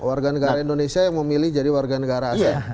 orang indonesia yang memilih jadi warga negara asing